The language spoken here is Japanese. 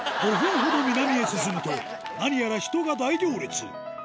５分ほど南へ進むと何やら人が大行列